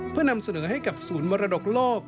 เพื่อนำเสนอให้กับศูนย์มรดกโลก